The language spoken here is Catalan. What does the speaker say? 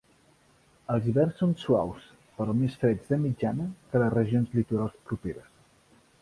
Els hiverns són suaus, però més freds de mitjana que les regions litorals properes.